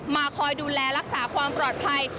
คอยดูแลรักษาความปลอดภัย